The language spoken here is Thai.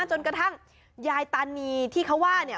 จนกระทั่งยายตานีที่เขาว่าเนี่ย